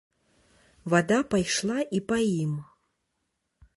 Вада пайшла і па ім.